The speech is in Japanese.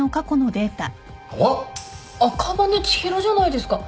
あっ！赤羽千尋じゃないですか。